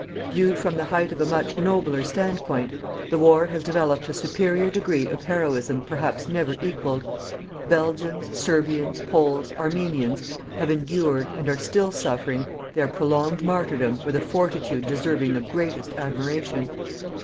Viewed from the height of a much nobler standpoint, the war has developed a superior degree of heroism perhaps never equalled. Belgians, Serbians, Poles, Armenians have endured, and are still suffering, their prolonged martyrdom with a fortitude deserving the greatest admiration.